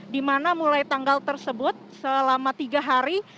dimana mulai tanggal tersebut selama tiga hari